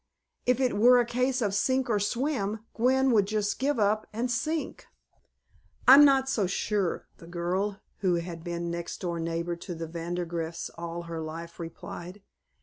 If it were a case of sink or swim, Gwen would just give up and sink." "I'm not so sure," the girl who had been next door neighbor to the Vandergrifts all her life replied.